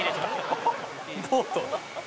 ボート